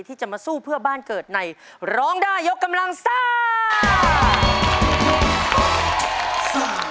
ที่จะมาสู้เพื่อบ้านเกิดในร้องได้ยกกำลังซ่า